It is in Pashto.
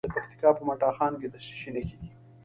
د پکتیکا په متا خان کې د څه شي نښې دي؟